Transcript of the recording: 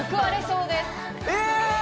え！